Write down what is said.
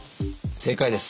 正解です。